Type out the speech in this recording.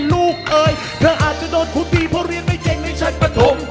เอ่ยเธออาจจะโดนคุณพี่เพราะเรียนไม่เก่งในชั้นปฐม